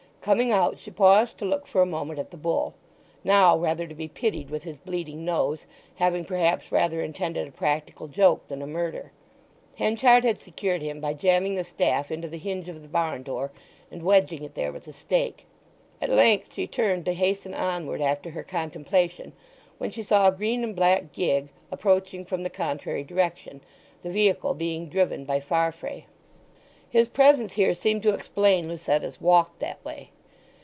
Coming out she paused to look for a moment at the bull, now rather to be pitied with his bleeding nose, having perhaps rather intended a practical joke than a murder. Henchard had secured him by jamming the staff into the hinge of the barn door, and wedging it there with a stake. At length she turned to hasten onward after her contemplation, when she saw a green and black gig approaching from the contrary direction, the vehicle being driven by Farfrae. His presence here seemed to explain Lucetta's walk that way.